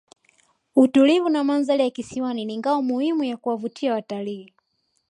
utulivu na mandhari ya kisiwa ni ngao muhimu ya kuwavuta watalii